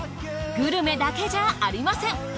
グルメだけじゃありません。